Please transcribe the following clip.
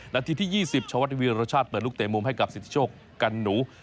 นาทีที่๒๐ชวัดวีรชาติเปิดลูกเตะมุมให้กับสิทธิโชคกันหนู